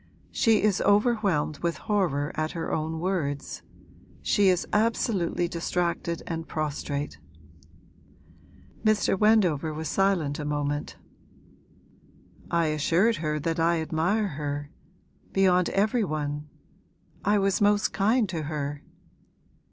She is overwhelmed with horror at her own words; she is absolutely distracted and prostrate.' Mr. Wendover was silent a moment. 'I assured her that I admire her beyond every one. I was most kind to her.'